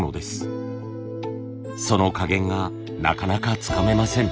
その加減がなかなかつかめません。